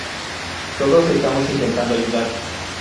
Todos estamos intentando ayudar.